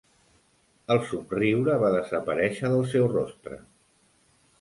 El somriure va desaparèixer del seu rostre.